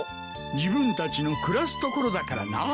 自分たちの暮らす所だからな。